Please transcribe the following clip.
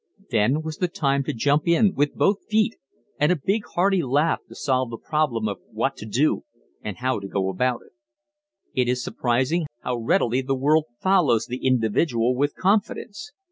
Then was the time to jump in with both feet and a big hearty laugh to solve the problem of what to do and how to go about it. It is surprising how readily the world follows the individual with confidence.